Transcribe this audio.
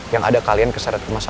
yang ada kalian keseret ke masyarakat